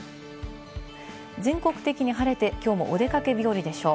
全国的に晴れて今日もお出かけ日和でしょう。